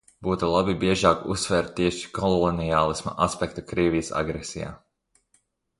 Būtu labi biežāk uzsvērt tieši koloniālisma aspektu Krievijas agresijā.